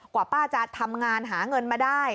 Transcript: กว่าป้าจะทำงานหาเงินมาได้